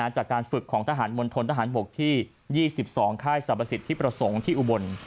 จากการฝึกของทหารมณฑนทหารบกที่๒๒ค่ายสรรพสิทธิประสงค์ที่อุบล